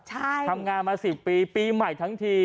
ทำงานมา๑๐ปีปีใหม่ทั้งที